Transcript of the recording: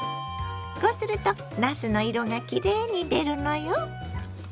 こうするとなすの色がきれいに出るのよ。